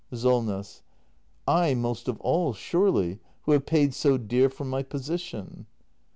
SOLNESS. I most of all, surely, who have paid so dear for my position.